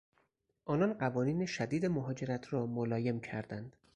آنان قوانین شدید مهاجرت را ملایم کردند.